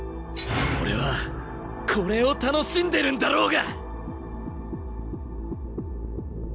俺はこれを楽しんでるんだろうが！